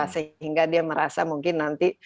sehingga dia merasa mungkin nanti